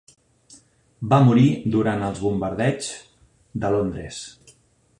Va morir durant els bombardeigs de Londres.